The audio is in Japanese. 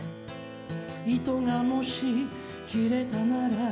「糸がもし切れたなら」